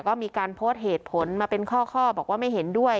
ก็มีการโพสต์เหตุผลมาเป็นข้อบอกว่าไม่เห็นด้วย